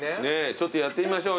ちょっとやってみましょうよ